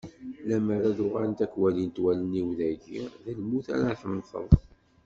Lemmer ad uɣalent ad k-walint wallen-iw dagi, d lmut ara temmteḍ.